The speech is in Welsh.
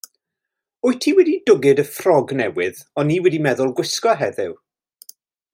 Wyt ti wedi dwgyd y ffrog newydd o'n i wedi meddwl gwisgo heddiw?